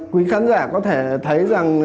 quý khán giả có thể thấy rằng